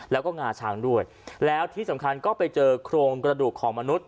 แล้วก็งาช้างด้วยแล้วที่สำคัญก็ไปเจอโครงกระดูกของมนุษย